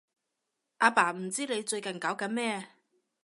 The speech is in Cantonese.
阿爸唔知你最近搞緊咩